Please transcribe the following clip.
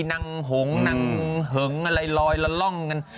นางหงนางหังอะไรลอยัลล่อง